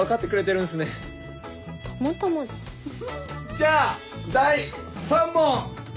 じゃあ第３問！